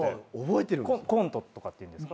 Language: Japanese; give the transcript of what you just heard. コントとかっていうんですか？